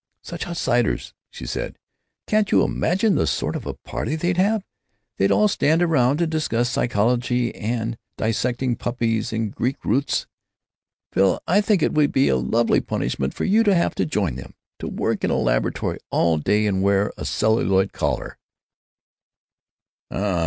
"Such outsiders!" she said. "Can't you imagine the sort of a party they'd have—they'd all stand around and discuss psychology and dissecting puppies and Greek roots! Phil, I think it would be a lovely punishment for you to have to join them—to work in a laboratory all day and wear a celluloid collar."